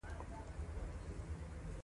په طبقاتي کشمکشونو کې د لوی سړي نښه ده.